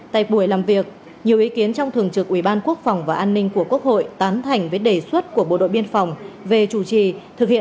tại buổi làm việc nhiều ý kiến trong thường trực ủy ban quốc phòng và an ninh của quốc hội tán thành với đề xuất của bộ đội biên phòng về chủ trì